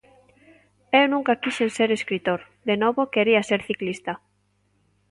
Eu nunca quixen ser escritor, de novo quería ser ciclista.